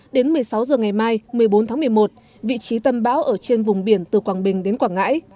đến một mươi sáu h ngày mai một mươi bốn tháng một mươi một vị trí tâm bão ở trên vùng biển từ quảng bình đến quảng ngãi